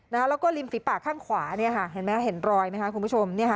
แล้วก็ริมฝีปากข้างขวาเห็นไหมครับมีรอยนิยะค่ะคุณผู้ชม